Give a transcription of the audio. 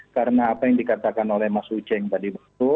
karena apa yang dikatakan oleh mas uce yang tadi